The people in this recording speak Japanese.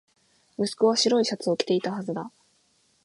息子は白いシャツを着ていたはずだ